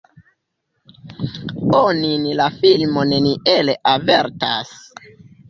Onin la filmo neniel avertas.